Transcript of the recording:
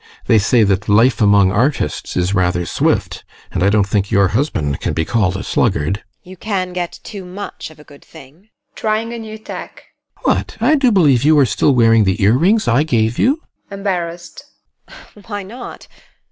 They say that life among artists is rather swift, and I don't think your husband can be called a sluggard. TEKLA. You can get too much of a good thing. GUSTAV. [Trying a new tack] What! I do believe you are still wearing the ear rings I gave you? TEKLA. [Embarrassed] Why not?